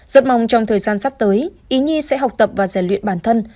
rất mong trong thời gian sắp tới ý nhi sẽ học tập và giải luyện bản thân